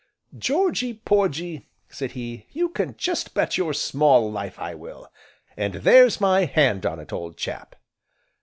"Georgy Porgy," said he, "you can just bet your small life, I will, and there's my hand on it, old chap."